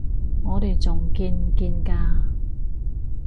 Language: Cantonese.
我哋仲見唔見㗎？